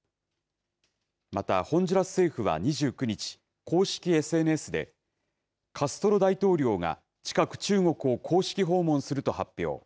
また、ホンジュラス政府は２９日公式ＳＮＳでカストロ大統領が近く中国を公式訪問すると発表。